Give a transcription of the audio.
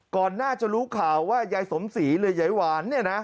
ก่อนน่าจะรู้ข่าวว่ายายสมศรีหรือไยหวาน